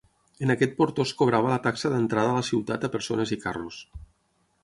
En aquest portó es cobrava la taxa d'entrada a la ciutat a persones i carros.